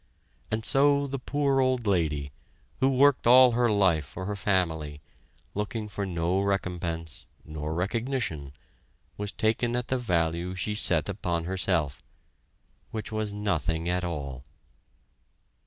And so the poor old lady, who worked all her life for her family, looking for no recompense, nor recognition, was taken at the value she set upon herself, which was nothing at all.